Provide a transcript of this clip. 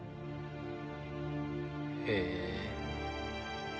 へえ。